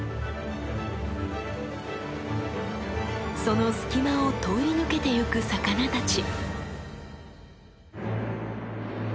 その隙間を通り抜けてゆく魚たち。